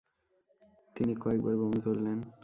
তিনি কয়েক বার বমি করলেন।